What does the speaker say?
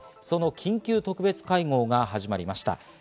その緊急特別会合が始まりました。